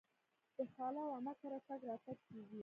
د خاله او عمه کره تګ راتګ کیږي.